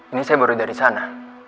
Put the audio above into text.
ini saya baru dari sana